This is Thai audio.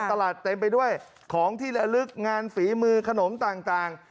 เต็มไปด้วยของที่ละลึกงานฝีมือขนมต่าง